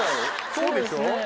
そうでしょ？